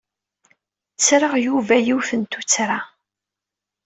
Ttreɣ Yuba yiwet n tuttra.